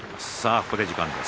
ここで時間です。